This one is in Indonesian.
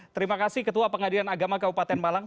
terima kasih ketua pengadilan agama kabupaten malang